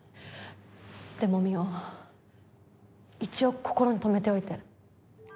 でも望緒一応心に留めておいて。